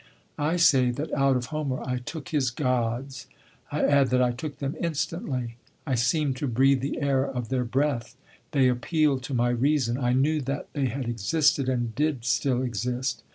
I say that out of Homer I took his Gods; I add that I took them instantly. I seemed to breathe the air of their breath; they appealed to my reason; I knew that they had existed and did still exist.